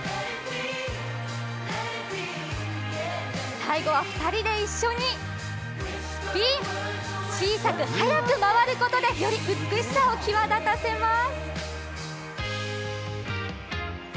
最後は２人で一緒にスピン、小さく速く回ることで、より美しさを際立たせます。